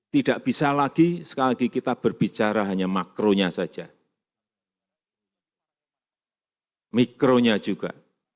tidak bisa lagi sekali lagi kita berbicara hanya makronya saja mikronya juga